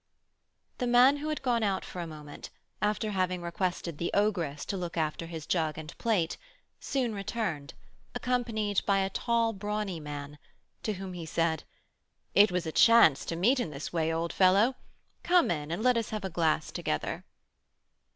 The man who had gone out for a moment, after having requested the ogress to look after his jug and plate, soon returned, accompanied by a tall, brawny man, to whom he said, "It was a chance to meet in this way, old fellow! Come in, and let us have a glass together."